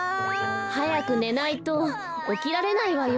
はやくねないとおきられないわよ。